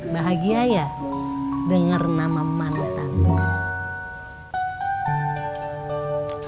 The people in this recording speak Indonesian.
bahagia ya dengar nama mantanmu